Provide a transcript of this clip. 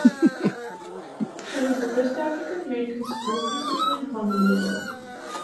She was the first African American school principal in Honolulu.